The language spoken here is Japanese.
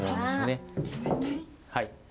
はい。